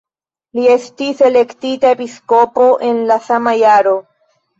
Li estis elektita episkopo en la sama jaro.